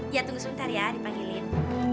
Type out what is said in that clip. ya tunggu sebentar ya dipanggilin